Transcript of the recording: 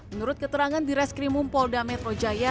menurut keterangan di reskrimumpol dan metro jaya